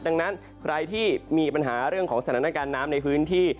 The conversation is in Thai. ดังนั้นใครที่มีปัญหาเรื่องของสถานการณ์น้ำในพื้นที่